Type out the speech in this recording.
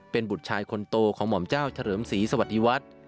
เป็นบุตรชายคนโตของหม่อมเจ้าเฉลิมศรีสวัสดีวัฒน์